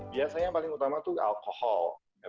biasanya yang paling utama tuh alkohol